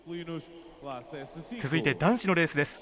続いて男子のレースです。